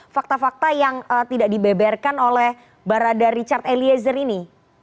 fakta fakta yang tidak dibeberkan oleh barada richard eliezer ini